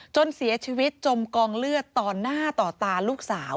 จนเสียชีวิตจมกองเลือดต่อหน้าต่อตาลูกสาว